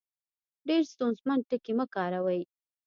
ډېر ستونزمن ټکي مۀ کاروئ